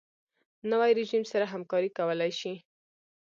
نوی رژیم سره همکاري کولای شي.